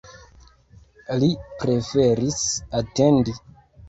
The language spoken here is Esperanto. Li preferis atendi.